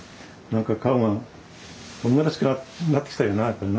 顔が女らしくなってきたよな。